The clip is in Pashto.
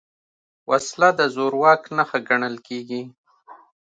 وسله د زور واک نښه ګڼل کېږي